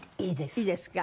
いいですか？